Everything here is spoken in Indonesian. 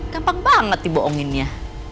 gampang banget dibohonginnya